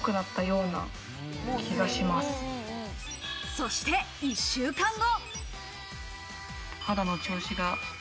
そして１週間後。